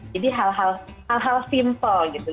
jadi hal hal simple gitu